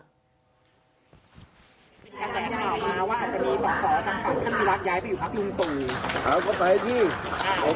มีแสดงข่าวมาว่าอาจจะมีศักดิ์ศอร์ทั้งที่มีรักย้ายไปอยู่ภาพยุงตรง